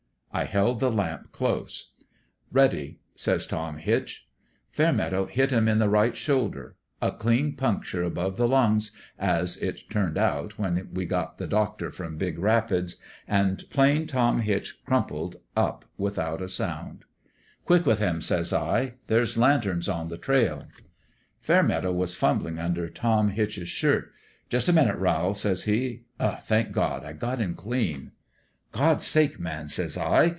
" I held the lamp close. "' Ready,' says Tom Hitch. " Fairmeadow hit him in the right shoulder a clean puncture above the lung, as it turned out when we got the doctor from Big Rapids an* Plain Tom Hitch crumpled up without a sound. FAIRMEADOWS JUSTICE 239 "' Quick with him !' says I. ' There's lan terns on the trail I '" Fairmeadow was fumblin' under Tom Hitch's shirt. ' Just a minute, Rowl,' says he. * Thank God ! I got him clean !'"' God's sake, man !' says I.